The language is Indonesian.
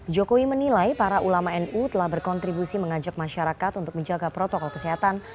jokowi menilai para ulama nu telah berkontribusi mengajak masyarakat untuk menjaga protokol kesehatan